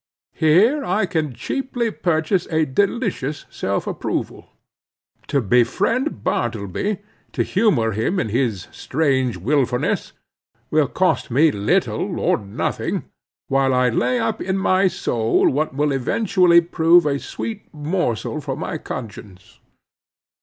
Here I can cheaply purchase a delicious self approval. To befriend Bartleby; to humor him in his strange willfulness, will cost me little or nothing, while I lay up in my soul what will eventually prove a sweet morsel for my conscience.